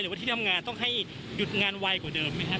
ว่าที่ทำงานต้องให้หยุดงานไวกว่าเดิมไหมครับ